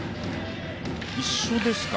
一緒ですか。